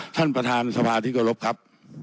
ท่านประธานทราบาทิเกรา์ภครับ